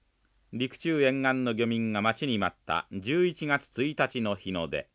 陸中沿岸の漁民が待ちに待った１１月１日の日の出。